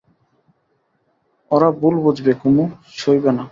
ওরা ভুল বুঝবে কুমু, সইবে না।